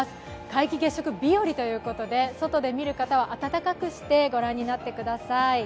皆既月食日よりということで外で見る方は暖かくしてご覧になってください。